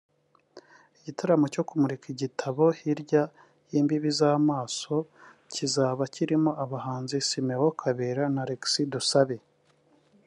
Igitaramo cyo kumurika igitabo “Hirya y’Imbibi z’Amaso” kizaba kirimo abahanzi Simon Kabera na Alexis Dusabe